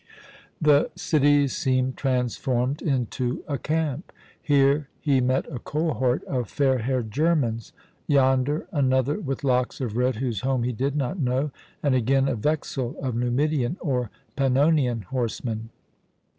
The city seemed transformed into a camp. Here he met a cohort of fair haired Germans; yonder another with locks of red whose home he did not know; and again a vexil of Numidian or Pannonian horsemen.